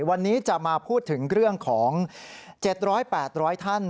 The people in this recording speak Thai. วันนี้จะมาพูดถึงเรื่องของ๗๐๐๘๐๐ท่าน